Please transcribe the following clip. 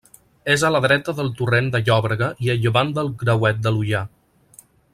És a la dreta del torrent de Llòbrega i a llevant del Grauet de l'Ullar.